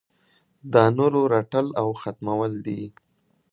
د نورو رټل او ختمول دي.